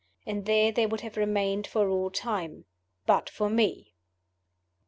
And there they would have remained for all time but for Me.